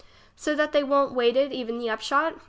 So that they won't waited even the upshot